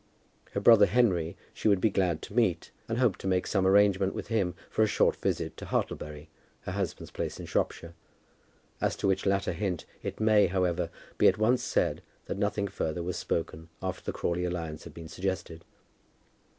Her brother Henry she would be glad to meet, and hoped to make some arrangement with him for a short visit to Hartlebury, her husband's place in Shropshire, as to which latter hint, it may, however, be at once said, that nothing further was spoken after the Crawley alliance had been suggested.